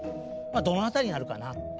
どの辺りにあるかな？